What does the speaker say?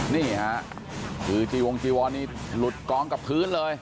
นี่ค่ะคือจีวงจีวอนนี่หลุดกองกับพื้นเลย